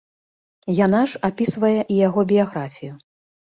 Яна ж апісвае і яго біяграфію.